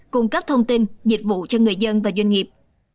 cung cấp thông tin dịch vụ cho người dân và doanh nghiệp